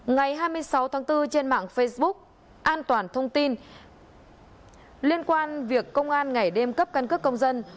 ngày hai mươi sáu tháng bốn trên mạng facebook an toàn thông tin liên quan việc công an ngày đêm cấp căn cước công dân